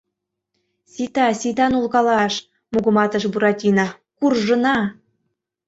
— Сита, сита нулкалаш, — мугыматыш Буратино, — куржына.